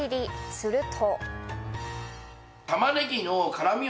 すると。